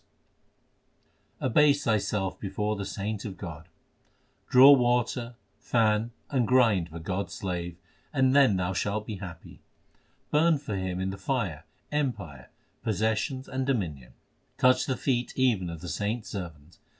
HYMNS OF GURU ARJAN 395 Abase thyself before the saint of God : Draw water, fan, and grind for God s slave, and then shalt thou be happy. Burn for him in the fire empire, possessions, and dominion. Touch the feet even of the saints servant.